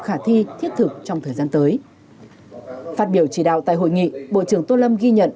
khả thi thiết thực trong thời gian tới phát biểu chỉ đạo tại hội nghị bộ trưởng tô lâm ghi nhận